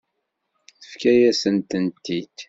Tefka-yasen-tent-id.